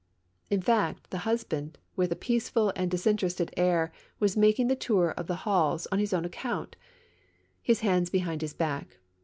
In fact, the husband, with a peaceful and disinterested air, was making the tour of the halls on his own account, his hands behind his back.